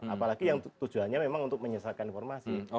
apalagi yang tujuannya memang untuk menyesalkan informasi